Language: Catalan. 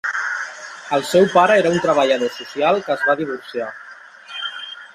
El seu pare era un treballador social que es va divorciar.